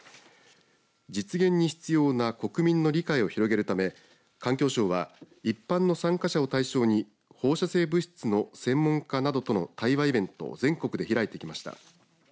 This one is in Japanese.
実現に必要な国民の理解を広げるため環境省は一般の参加者を対象に放射性物質の専門家などとの対話イベントを全国で開いてきました。